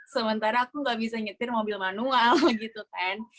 sementara aku nggak bisa nyetir mobil manual gitu kan